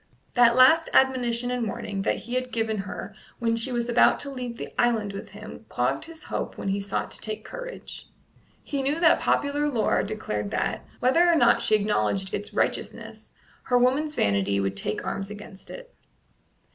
That last admonition and warning that he had given her when she was about to leave the island with him clogged his hope when he sought to take courage. He knew that popular lore declared that, whether or not she acknowledged its righteousness, her woman's vanity would take arms against it.